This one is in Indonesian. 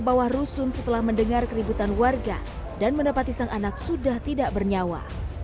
bawah rusun setelah mendengar keributan warga dan mendapati sang anak sudah tidak bernyawa